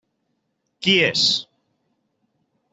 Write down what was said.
Qui és?